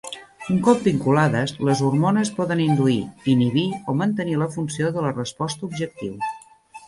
Un cop vinculades, les hormones poden induir, inhibir o mantenir la funció de la resposta objectiu.